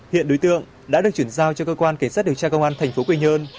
hiện đối tượng đã được chuyển giao cho cơ quan cảnh sát điều tra công an thành phố quy nhơn